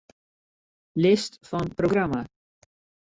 List fan programma.